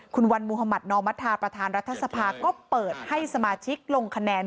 คุณวันมุธมัธนอมธาประธานรัฐสภาก็เปิดให้สมาชิกลงคะแนน